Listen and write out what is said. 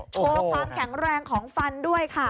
โชว์ความแข็งแรงของฟันด้วยค่ะ